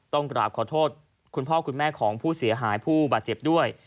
กราบขอโทษคุณพ่อคุณแม่ของผู้เสียหายผู้บาดเจ็บด้วย